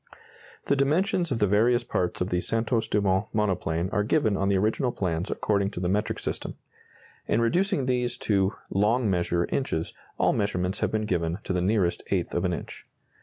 The dimensions of the various parts of the Santos Dumont monoplane are given on the original plans according to the metric system. In reducing these to "long measure" inches, all measurements have been given to the nearest eighth of an inch.